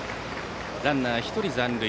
ランナー１人残塁。